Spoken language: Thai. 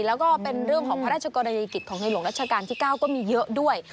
แล้วก็เป็นเรื่องของพระราชกรณียกิจของในหลวงรัชกาลที่๙ก็มีเยอะด้วย